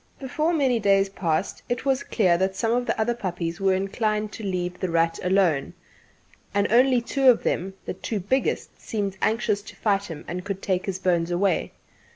Before many days passed, it was clear that some of the other puppies were inclined to leave "The Rat" alone, and that only two of them the two biggest seemed anxious to fight him and could take his bones away.